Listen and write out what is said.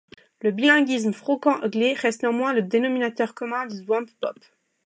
Le bilinguisme franco-anglais reste néanmoins le dénominateur commun du swamp pop.